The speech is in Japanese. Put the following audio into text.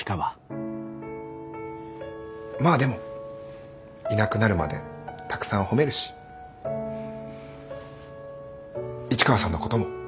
まあでもいなくなるまでたくさん褒めるし市川さんのことも。